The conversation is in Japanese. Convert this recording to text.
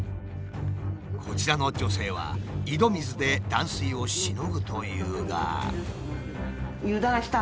こちらの女性は井戸水で断水をしのぐというが。